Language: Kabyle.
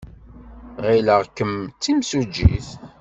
Ɣileɣ-kem d timsujjit.